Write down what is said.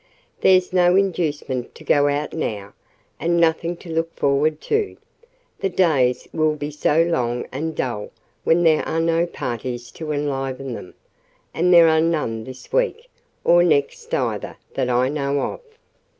"There's no inducement to go out now; and nothing to look forward to. The days will be so long and dull when there are no parties to enliven them; and there are none this week, or next either, that I know of."